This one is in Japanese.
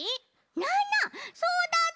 ななそうだった！